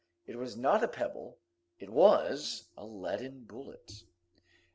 It was not a pebble it was a leaden bullet.